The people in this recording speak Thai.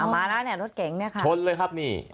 มาแล้วเนี่ยรถเก๋งเนี่ยค่ะชนเลยครับนี่